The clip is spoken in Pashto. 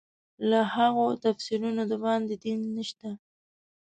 له هغو تفسیرونو د باندې دین نشته.